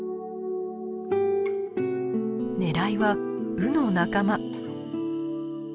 狙いはウの仲間。